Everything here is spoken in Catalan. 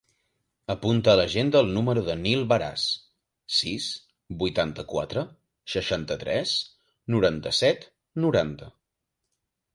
Apunta a l'agenda el número del Nil Varas: sis, vuitanta-quatre, seixanta-tres, noranta-set, noranta.